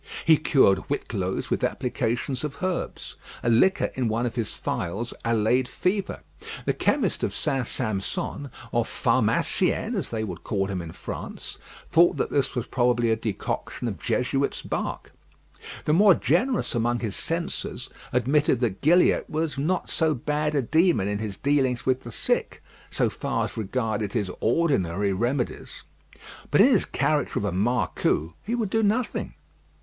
He cured whitlows with applications of herbs. A liquor in one of his phials allayed fever. The chemist of St. Sampson, or pharmacien, as they would call him in France, thought that this was probably a decoction of Jesuits' bark. The more generous among his censors admitted that Gilliatt was not so bad a demon in his dealings with the sick, so far as regarded his ordinary remedies. But in his character of a marcou, he would do nothing.